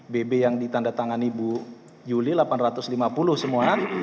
bb yang ditanda tangan ibu yuli delapan ratus lima puluh semua